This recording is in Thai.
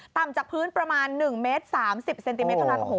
ต่ำจากพื้นประมาณ๑เมตร๓๐เซนติเมตรครับ